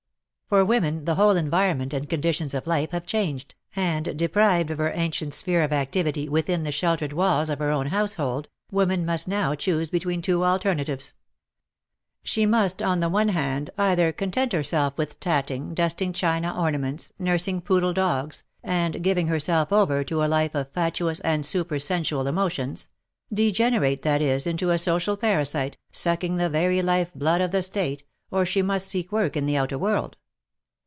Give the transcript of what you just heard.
For women, the whole environment and conditions of life have changed, and, 'de prived of her ancient sphere of activity within the sheltered walls of her own household, woman must now choose between two alternatives. 2i6 WAR AND WOMEN She must, on the one hand, either content herself with tatting, dusting china ornaments, nursing poodle dogs, and giving herself over to a life of fatuous and supersensual emotions — degenerate, that is, into a social parasite, sucking the very life blood of the State, or she must seek v^ork in the outer world.